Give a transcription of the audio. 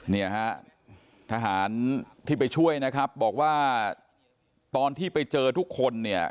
เนี่ยฮะทหารที่ไปช่วยนะครับบอกว่าตอนที่ไปเจอทุกคนเนี่ย